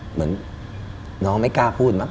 เหมือนน้องไม่กล้าพูดมั้